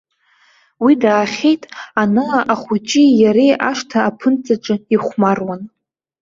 Уи даахьеит, ана ахәыҷи иареи ашҭа аԥынҵаҿы ихәмаруан.